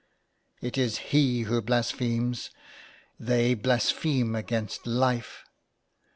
It is he "who blasphemes. They blaspheme against Life